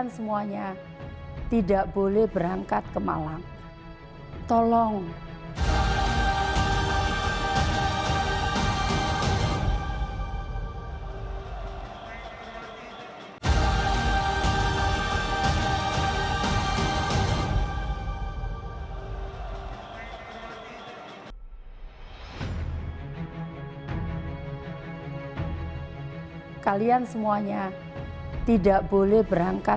sepak bola menjadi medium perjuangan identitas mereka